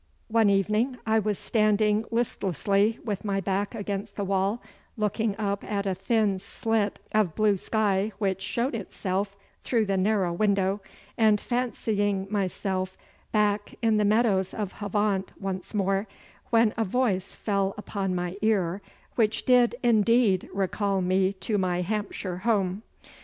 One evening I was standing listlessly with my back against the wall, looking up at a thin slit of blue sky which showed itself through the narrow window, and fancying myself back in the meadows of Havant once more, when a voice fell upon my ear which did, indeed, recall me to my Hampshire home.